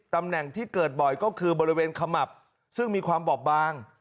ตำแหน่งที่เกิดบ่อยก็คือบริเวณขมับซึ่งมีความบอบบาง